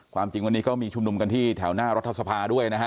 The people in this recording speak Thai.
จริงวันนี้ก็มีชุมนุมกันที่แถวหน้ารัฐสภาด้วยนะฮะ